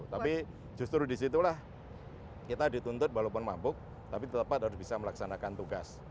tapi justru disitulah kita dituntut walaupun mabuk tapi tetap harus bisa melaksanakan tugas